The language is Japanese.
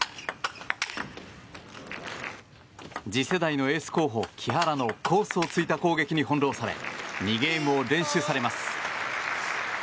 次世代のエース候補木原のコースを突いた攻撃に翻ろうされ２ゲームを連取されます。